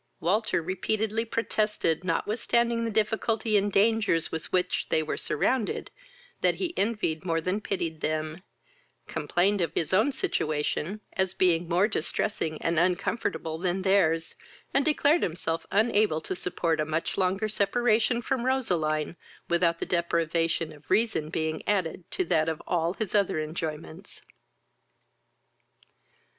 Walter repeatedly protested, notwithstanding the difficulty and dangers with which they were surrounded, that he envied more than he pitied them, complained of his own situation, as being more distressing and uncomfortable than their's, and declared himself unable to support a much longer separation from Roseline, without the deprivation of reason being added to that of all his other enjoyments.